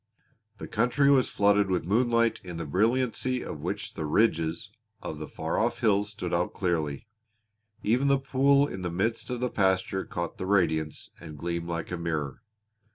The country was flooded with moonlight in the brilliancy of which the ridges of the far off hills stood out clearly; even the pool in the midst of the pasture caught the radiance and gleamed like a mirror.